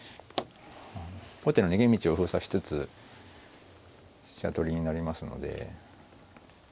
後手の逃げ道を封鎖しつつ飛車取りになりますので。